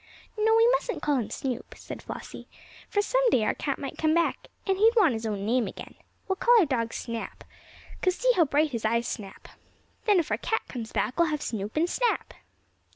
"No, we mustn't call him Snoop," said Flossie, "for some day our cat might come back, and he'd want his own name again. We'll call our dog Snap, 'cause see how bright his eyes snap. Then if our cat comes back we'll have Snoop and Snap."